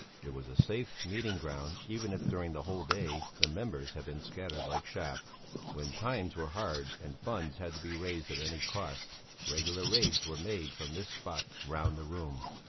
It was a safe meeting ground even if during the whole day the members had been scattered like chaff. When times were hard and funds had to be raised at any cost, regular raids were made from this spot round the room.